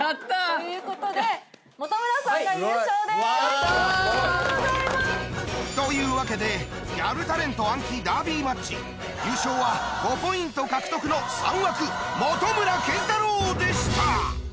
おめでとうございます！というわけでギャルタレント暗記ダービーマッチ優勝は５ポイント獲得の３枠本村健太郎でした！